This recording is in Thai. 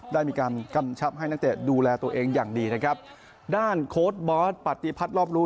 ได้มีการกำชับให้นักเตะดูแลตัวเองอย่างดีนะครับด้านโค้ดบอสปฏิพัฒน์รอบรู้